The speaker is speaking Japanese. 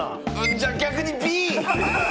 じゃあ、逆にＢ！